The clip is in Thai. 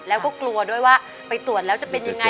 แล้วก็กลัวด้วยว่าไปตรวจแล้วจะเป็นยังไง